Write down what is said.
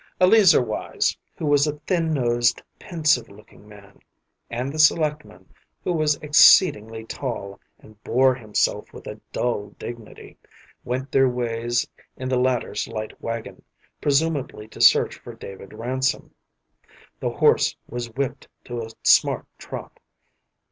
Eleazer Wise, who was a thin nosed, pensive looking man, and the selectman, who was exceedingly tall and bore himself with a dull dignity, went their ways in the latter's light wagon, presumably to search for David Ransom. The horse was whipped to a smart trot.